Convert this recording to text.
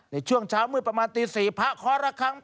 ในช่วงเช้ามืดประมาณตี๔พระคอละครั้ง